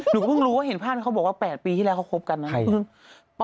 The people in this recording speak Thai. หนูเพิ่งรู้เข้าบอกว่าซักแปบกันกัน๘ปีที่แล้วเขาครบกันนะ